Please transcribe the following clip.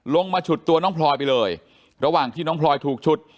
มาฉุดตัวน้องพลอยไปเลยระหว่างที่น้องพลอยถูกฉุด